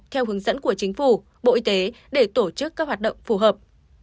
theo hướng dẫn của chính phủ bộ y tế để tổ chức các hoạt động phù hợp